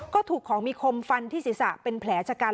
ก็ถูกของมีคมฟันที่ศีรษะเป็นแผลชะกัน